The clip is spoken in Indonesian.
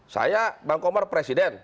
saya bang komar presiden